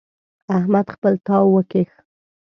احمد خپل تاو وکيښ.